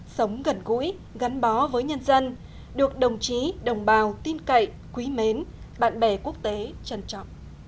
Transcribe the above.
sống gần gũi gắn bó với nhân dân được đồng chí đồng bào tin cậy quý mến bạn bè quốc tế trân trọng